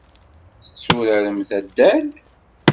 Tetturaremt addal?